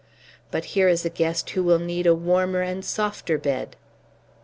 But here is a guest who will need a warmer and softer bed."